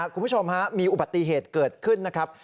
คุณผู้ชมฮะมีอุบัติเหตุเกิดขึ้นนะครับ